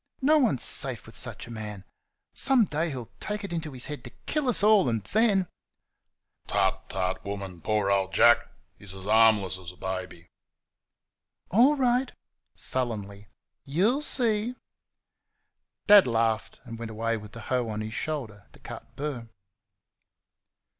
No one's safe with such a man. Some day he'll take it in his head to kill us all, and then " "Tut, tut, woman; poor old Jack! he's harmless as a baby." "All right," (sullenly); "you'll see!" Dad laughed and went away with the hoe on his shoulder to cut burr.